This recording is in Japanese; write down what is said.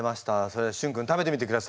それではしゅん君食べてみてください。